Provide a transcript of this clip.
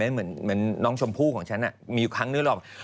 เหมือนน้องชมพู่ของฉันน่ะมีครั้งนึกหลอก